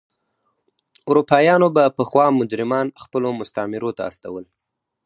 اروپایانو به پخوا مجرمان خپلو مستعمرو ته استول.